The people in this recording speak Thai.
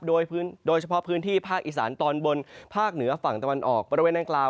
โดยเฉพาะพื้นที่ภาคอีสานตอนบนภาคเหนือฝั่งตะวันออกบริเวณดังกล่าว